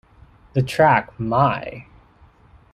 The track My!